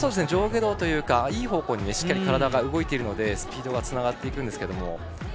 上下動というかいい方向にしっかり体が動いているのでスピードがつながっていくんですけれども。